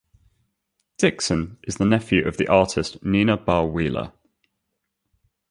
Dixon is the nephew of the artist Nina Barr Wheeler.